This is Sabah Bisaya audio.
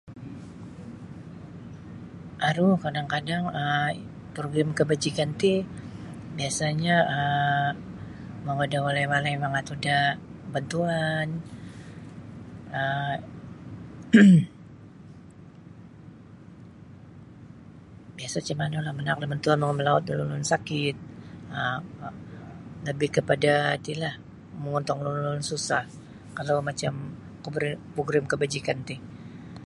Aru kadang-kadang um progrim kabajikan ti baisanyo um mongoi da walai-walai mangatud da bantuan um biasa macam manulah manaak da bantuan melawat- lawat da ulun sakit lebih mongontong da ulun-ulun susah kalau macam progrim kabajikan ti.